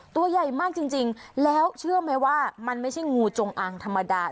ตัวใหญ่มากจริงแล้วเชื่อไหมว่ามันไม่ใช่งูจงอางธรรมดา